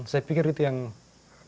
saya pikir itu yang